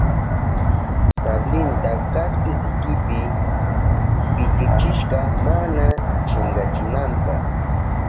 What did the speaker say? Sablinta kaspi sikipi pitichishka mana chinkachinanpa.